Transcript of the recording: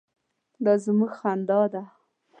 _دا زموږ خندا ده.